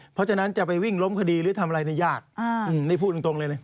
เพราะฉะนั้นจะไปวิ่งล้มคดีหรือทำอะไรนี่ยากนี่พูดตรงเลยเลย